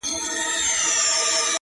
مړ به سم مړى به مي ورك سي گراني ‘